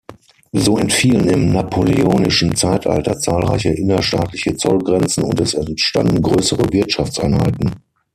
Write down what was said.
So entfielen im napoleonischen Zeitalter zahlreiche innerstaatliche Zollgrenzen und es entstanden größere Wirtschaftseinheiten.